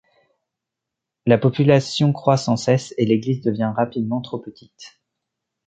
La population croit sans cesse et l'église devient rapidement trop petite.